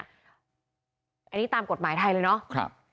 อันนี้ตามกฎหมายไทยเลยเนาะ